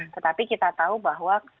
tetapi kita tahu bahwa